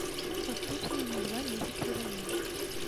Фактычна на два месяцы раней.